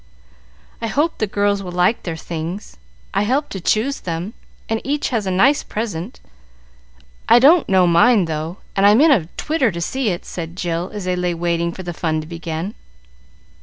"I hope the girls will like their things. I helped to choose them, and each has a nice present. I don't know mine, though, and I'm in a twitter to see it," said Jill, as they lay waiting for the fun to begin.